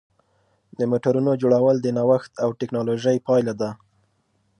د موټرونو جوړول د نوښت او ټېکنالوژۍ پایله ده.